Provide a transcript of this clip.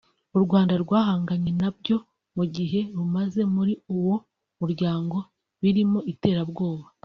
u Rwanda rwahanganye nabyo mu gihe rumaze muri uwo muryango birimo iterabwoba